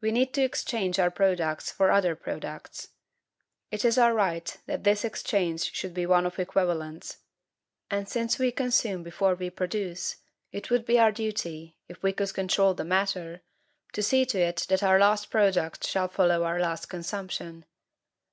We need to exchange our products for other products. It is our right that this exchange should be one of equivalents; and since we consume before we produce, it would be our duty, if we could control the matter, to see to it that our last product shall follow our last consumption.